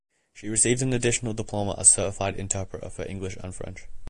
She received an additional diploma as certified interpreter for English and French.